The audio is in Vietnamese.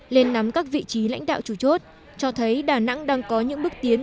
lên nắm các vị trí lãnh đạo chủ chốt cho thấy đà nẵng đang có những bước tiến